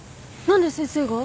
何で先生が？